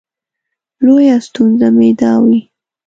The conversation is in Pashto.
لویه ستونزه مې دا وي.